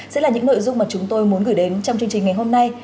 sẽ là những nội dung mà chúng tôi muốn gửi đến trong chương trình ngày hôm nay